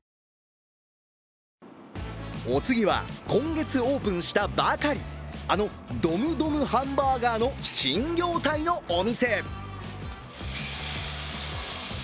お次は、今月オープンしたばかりあのドムドムハンバーガーの新業態のお店。